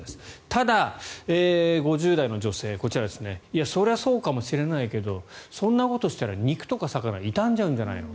ただ、５０代の女性それはそうかもしれないけどそんなことしたら肉とか魚が傷んじゃうんじゃないの？